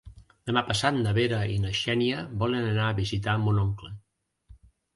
Demà passat na Vera i na Xènia volen anar a visitar mon oncle.